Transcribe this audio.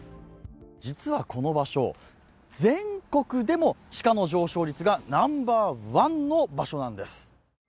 実はこの場所、全国でも地価の上昇率がナンバーワンの場所なんです。